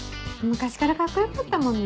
昔からカッコ良かったもんね。